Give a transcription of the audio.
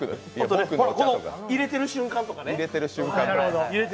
入れてる瞬間とかね。